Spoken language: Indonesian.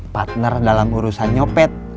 partner dalam urusan nyopet